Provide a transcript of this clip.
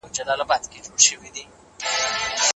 د دوست په درد دردمن شئ.